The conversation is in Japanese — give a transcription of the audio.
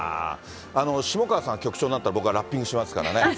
下川さんが局長になったら、僕はラッピングしますからね。